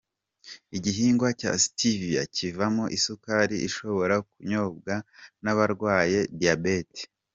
Igihingwa cya Stevia kivamo isukari ishobora kunyobwa n’abarwaye Diyabeti.